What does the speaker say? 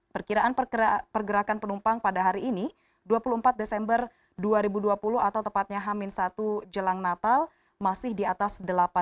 pergerakan penumpang pada hari ini dua puluh empat desember dua ribu dua puluh atau tepatnya hamin satu jelang natal masih di atas delapan puluh